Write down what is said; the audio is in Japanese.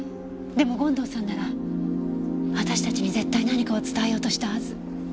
でも権藤さんなら私たちに絶対何かを伝えようとしたはず。